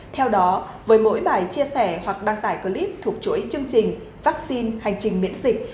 theo đó với mỗi bài chia sẻ hoặc đăng tải clip thuộc chuỗi chương trình vaccine hành trình miễn dịch